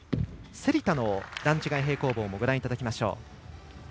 芹田の段違い平行棒もご覧いただきましょう。